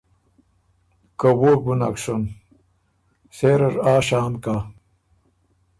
که ووک بُو نک سُن، سېره ر آ شام کۀ